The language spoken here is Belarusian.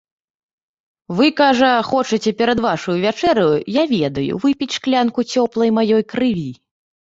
Вы, кажа, хочаце перад вашаю вячэраю, я ведаю, выпіць шклянку цёплай маёй крыві.